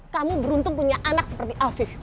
kamu beruntung punya anak seperti alvif